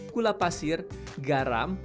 gula pasir garam